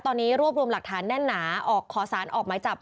ตอนนี้รวบรวมหลักฐานแน่นหนาออกขอสารออกหมายจับ